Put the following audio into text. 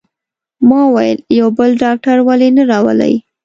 ما وویل: یو بل ډاکټر ولې نه راولئ؟